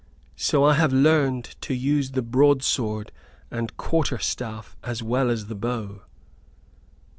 So I have learned to use the broadsword and quarter staff as well as the bow."